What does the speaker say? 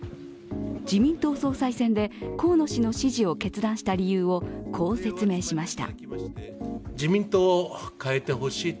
自民党総裁選で河野氏の支持を決断した理由をこう説明しました。